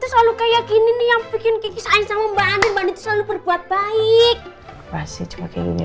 selalu kayak gini nih yang bikin kisah sama mbak andin selalu berbuat baik pasti cuma kayak gini